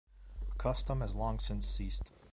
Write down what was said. The custom has long since ceased.